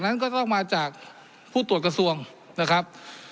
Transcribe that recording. นั้นก็ต้องมาจากผู้ตรวจกระทรวงนะครับ